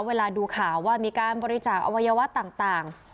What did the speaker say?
เวลาดูข่าวว่ามีการบริจาคอวัยวะต่าง